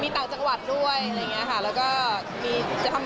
มีเตาจังหวัดด้วยอะไรอย่างนี้ค่ะ